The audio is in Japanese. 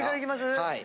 はい。